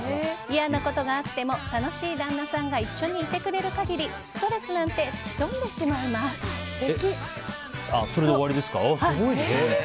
嫌なことがあっても楽しい旦那さんが一緒にいてくれる限りストレスなんて素敵！